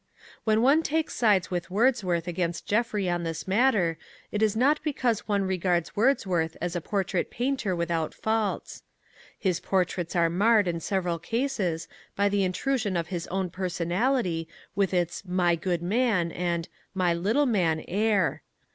When one takes sides with Wordsworth against Jeffrey on this matter it is not because one regards Wordsworth as a portrait painter without faults. His portraits are marred in several cases by the intrusion of his own personality with its "My good man" and "My little man" air.